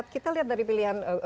kita lihat dari pilihan